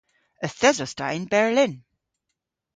Yth esos ta yn Berlin.